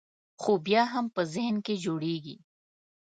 خو بیا هم په ذهن کې جوړېږي.